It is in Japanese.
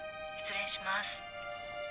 失礼します。